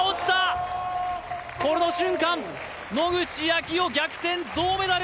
この瞬間、野口啓代逆転銅メダル！